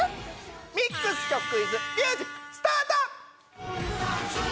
ミックス曲クイズミュージックスタート！